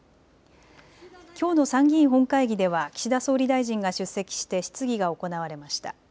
きょうの参議院本会議では岸田総理大臣が出席して質疑が行われました。